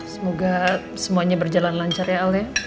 semoga semuanya berjalan lancar ya allea